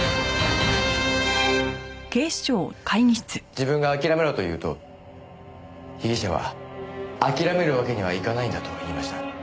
自分が「諦めろ」と言うと被疑者は「諦めるわけにはいかないんだ」と言いました。